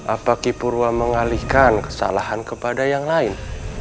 apa kipurwa mengalihkan kesalahan kepada yang lain